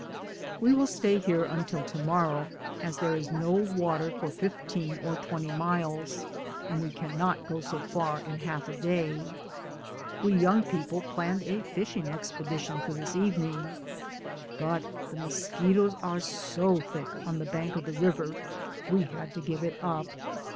We will stay here until to morrow, as there is no water for fifteen or twenty miles, and we cannot go so 14^ DAYS ON THE ROAD. far in half a day. We young people planned a fishing expedition for this evening, but the mosquitoes are so thick on the bank of the river we had to give it up.